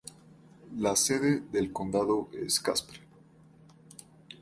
La sede del condado es Casper.